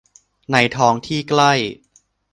ในท้องที่ใกล้